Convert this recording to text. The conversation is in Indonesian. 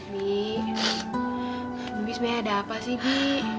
bi bibi sebenernya ada apa sih bibi